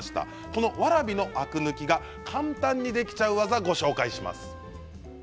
このわらびのアク抜きが簡単にできちゃう技をご紹介します。